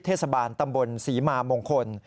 เทศบาลตำบลศรีมามงคล